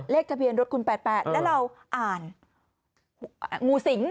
เลขทะเบียนรถคุณแปดแปดแล้วเราอ่านงูสิง